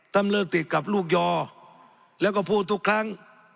เลิกติดกับลูกยอแล้วก็พูดทุกครั้ง